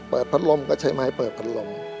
พัดลมก็ใช้ไม้เปิดพัดลม